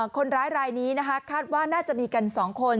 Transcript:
คนร้ายรายนี้นะคะคาดว่าน่าจะมีกัน๒คน